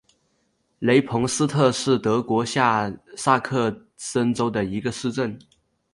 雷彭斯特是德国下萨克森州的一个市镇。